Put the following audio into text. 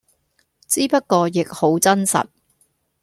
之不過亦好真實